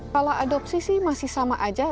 kalau adopsi sih masih sama aja